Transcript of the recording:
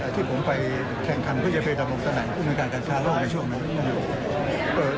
ที่ผมไปแข่งคำเพื่อจะไปดำรงตะแหล่งการการฆ่าโลกในช่วงนั้น